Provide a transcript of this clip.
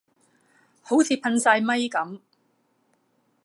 好似噴曬咪噉